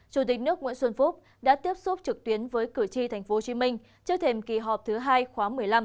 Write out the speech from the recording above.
chủ tịch nước nguyễn xuân phúc đã tiếp xúc trực tuyến với cử tri tp hcm trước thềm kỳ họp thứ hai khóa một mươi năm